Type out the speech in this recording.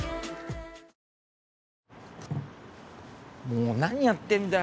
もう何やってんだ？